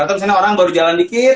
atau misalnya orang baru jalan dikit